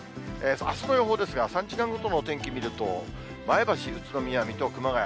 あすの予報ですが、３時間ごとのお天気を見ると、前橋、宇都宮、水戸、熊谷。